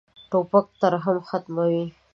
توپک ترحم ختموي.